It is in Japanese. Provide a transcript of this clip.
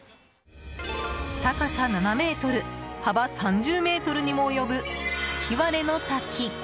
高さ７ｍ、幅３０ｍにも及ぶ吹割の滝。